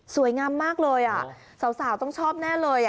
งามมากเลยสาวต้องชอบแน่เลย